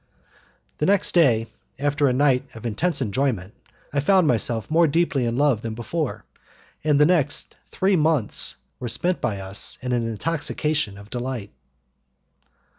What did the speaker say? The next day, after a night of intense enjoyment, I found myself more deeply in love than before, and the next three months were spent by us in an intoxication of delight.